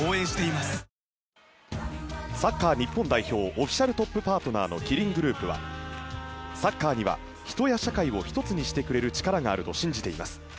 オフィシャルトップパートナーのキリングループはサッカーには、人や社会をひとつにしてくれる力があると信じています。